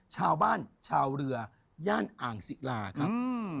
ชาวบ้านชาวเรือย่านอ่างศิราครับ